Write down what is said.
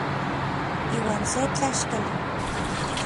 Iuan se tlaxkali.